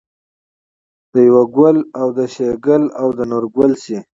دېوه ګل او د شیګل او د نورګل سي